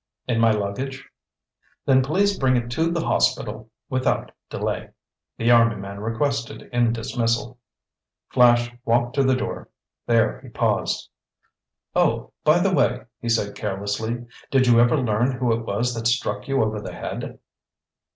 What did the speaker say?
"In my luggage." "Then please bring it to the hospital without delay," the army man requested in dismissal. Flash walked to the door. There he paused. "Oh, by the way," he said carelessly, "did you ever learn who it was that struck you over the head?"